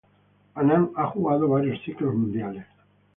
Anand ha jugado varios ciclos mundiales.